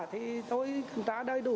thì tôi kiểm tra đầy đủ